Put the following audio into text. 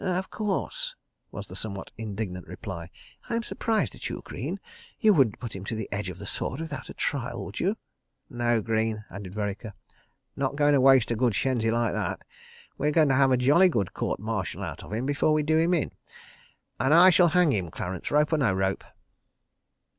"Of course!" was the somewhat indignant reply. "I'm surprised at you, Greene. You wouldn't put him to the edge of the sword without a trial, would you?" "No, Greene," added Vereker. "Not goin' to waste a good shenzi like that. We're goin' to have a jolly good Court Martial out of him before we do him in. ... And I shall hang him, Clarence—rope or no rope."